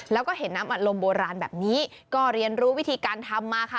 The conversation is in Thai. แล้วก็เห็นน้ำอัดลมโบราณแบบนี้ก็เรียนรู้วิธีการทำมาค่ะ